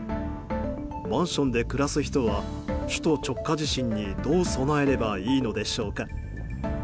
マンションで暮らす人は首都直下地震にどう備えればいいのでしょうか。